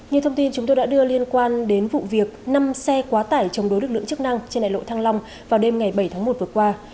như thông tin chúng tôi đã đưa liên quan đến vụ việc năm xe quá tải chống đối lực lượng chức năng trên đại lộ thăng long vào đêm ngày bảy tháng một vừa qua